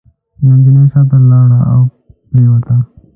نجلۍ شاته لاړه او پرېوته.